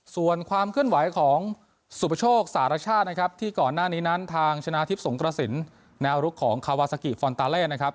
ส่วนความเคลื่อนไหวของสุปโชคสารชาตินะครับที่ก่อนหน้านี้นั้นทางชนะทิพย์สงกระสินแนวรุกของคาวาซากิฟอนตาเล่นะครับ